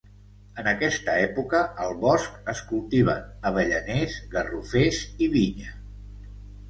En aquesta època, al Bosc es cultiven avellaners, garrofers i vinya.